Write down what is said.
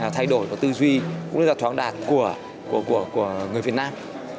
thay đổi và tư duy cũng như là thoáng đạt của người việt nam